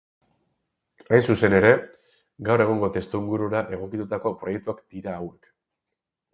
Hain zuzen ere, gaur egungo testuingurura egokitutako proiektuak dira hauek.